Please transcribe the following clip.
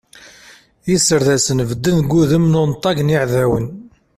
Iserdasen bedden deg udem n unṭag n yeεdawen.